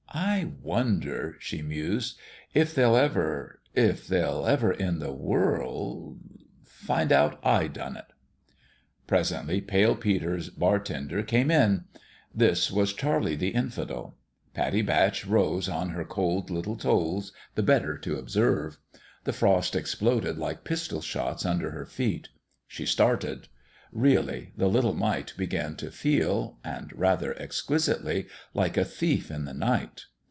"I wonder," she mused, "if they'll ever if they'll ever in the world find out I done it !" Presently Pale Peter's bartender came in. This was Charlie the Infidel. Pattie Batch rose 94 A G/FT NEGLECTED on her cold little toes the better to observe. The frost exploded like pistol shots under her feet. She started. Really, the little mite began to feel and rather exquisitely like a thief in the night.